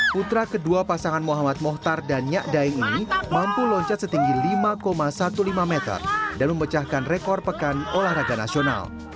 putra kedua pasangan muhammad mohtar dan nyak daeng ini mampu loncat setinggi lima lima belas meter dan memecahkan rekor pekan olahraga nasional